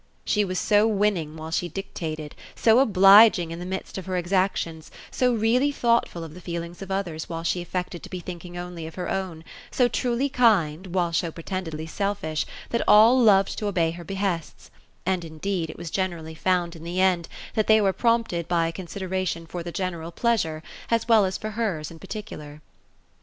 She was so winning while she dictated, so obliging in the midst of her exactions, so really thoughtful of the feelings of others while she affected to be thinking only of her own, so truly kind, while so pretended ly selfish, that all loved to obey her behests ; and indeed, it was generally found, in the end, that they were prompted by a con sideration for the general pleasure, as well as for hers in particular.